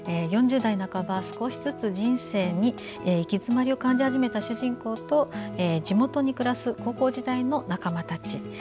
４０代半ば、少しずつ人生に行き詰まりを感じ始めた主人公と地元に暮らす高校時代の仲間たち。